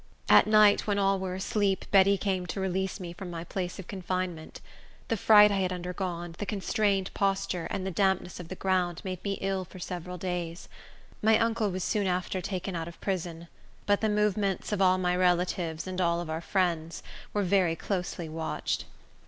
At night, when all were asleep, Betty came to release me from my place of confinement. The fright I had undergone, the constrained posture, and the dampness of the ground, made me ill for several days. My uncle was soon after taken out of prison; but the movements of all my relatives, and of all our friends, were very closely watched.